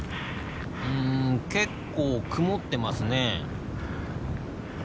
うん結構曇ってますね。